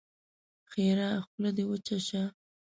ښېرا: خوله دې وچه شه!